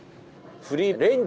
フリーレンジ。